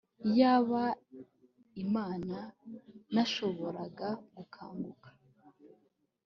Iyaba Imana nashoboraga gukanguka